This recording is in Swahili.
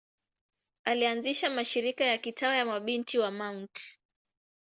Alianzisha mashirika ya kitawa ya Mabinti wa Mt.